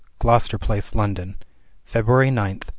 Gloucester Place, London: February 9, 1880.